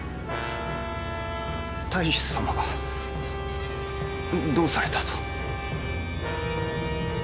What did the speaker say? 太守様がどうされたと？